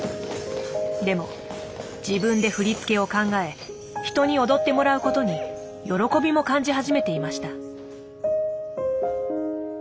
でも自分で振り付けを考え人に踊ってもらうことに喜びも感じ始めていました。